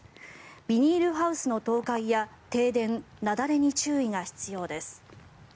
ビニールハウスの倒壊や停電、雪崩に注意が必要です。